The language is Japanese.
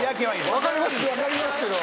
分かりますけど。